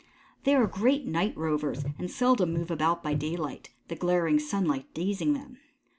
They are great night rovers and seldom move about by daylight, the glaring sunlight dazing them.